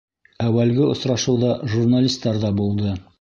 — Әүәлге осрашыуҙа журналистар ҙа булды.